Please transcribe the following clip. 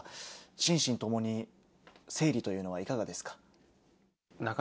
心身ともに整理というのはいかがですか。